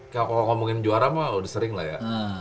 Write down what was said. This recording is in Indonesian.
kalau ngomongin juara mah udah sering lah ya